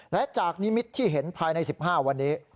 และจากนิมิตที่เห็นภายใน๑๕วันนี้